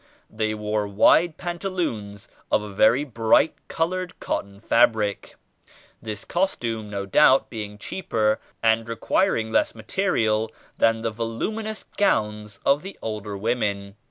They wore wide pantaloons of a very bright colored cotton fabric, this costume no doubt being cheaper and requiring less ma terial than the voluminous gowns of the older women.